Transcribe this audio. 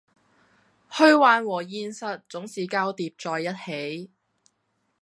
虛幻和現實總是交疊在一起